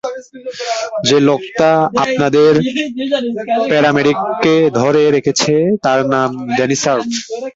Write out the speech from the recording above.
যে লোকটা আপনাদের প্যারামেডিককে ধরে রেখেছে তার নাম ড্যানি শার্প।